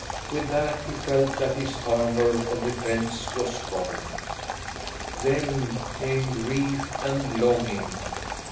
With that he felt that his armour of defence was gone. Then came grief and longing.